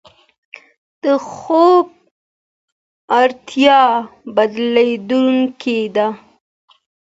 د خوب اړتیا بدلېدونکې ده.